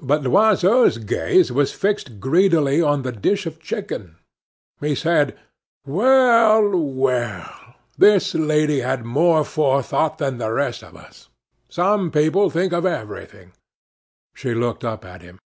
But Loiseau's gaze was fixed greedily on the dish of chicken. He said: "Well, well, this lady had more forethought than the rest of us. Some people think of everything." She looked up at him.